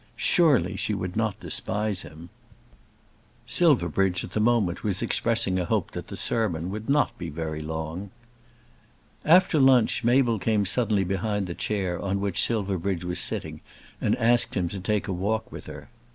Surely she would not despise him! Silverbridge at the moment was expressing a hope that the sermon would not be very long. After lunch Mabel came suddenly behind the chair on which Silverbridge was sitting and asked him to take a walk with her.